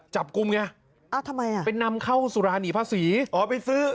จับกุมไงอ่ะทำไมอ่ะเป็นนำเข้าสุรานิพฤษีอ๋อไปซื้อ